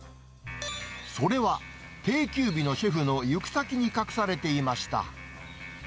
それは定休日のシェフの行く先に隠されていました。